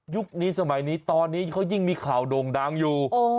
นี้สมัยนี้ตอนนี้เขายิ่งมีข่าวโด่งดังอยู่